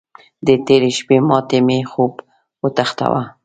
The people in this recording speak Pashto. د تېرې شپې ماتې مې خوب وتښتاوو.